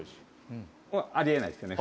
あり得ないですよね。